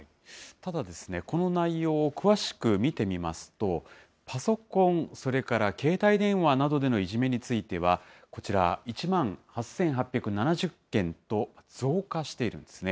ただですね、この内容を詳しく見てみますと、パソコン、それから携帯電話などでのいじめについては、こちら、１万８８７０件と増加しているんですね。